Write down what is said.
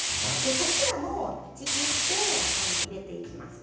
こちらもちぎって入れていきますね。